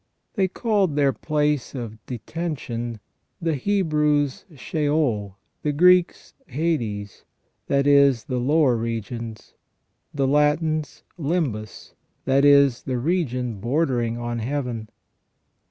They called their place of detention, the Hebrews Sheol^ the Greeks Hades — that is, the lower regions, — the Latins Limbus — that is, the region bordering on Heaven.